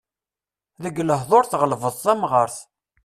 Deg lehdur tɣelbeḍ tamɣart.